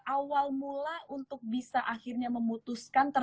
awal mula untuk bisa akhirnya memutuskan